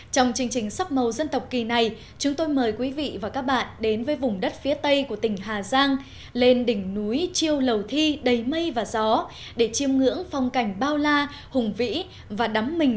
trong chương trình sắc màu dân tộc kỳ này chúng tôi mời quý vị và các bạn đến với vùng đất phía tây của tỉnh hà giang lên đỉnh núi chiêu lầu thi đầy mây và gió để chiêm ngưỡng phong cảnh bao la hùng vĩ và đắm mình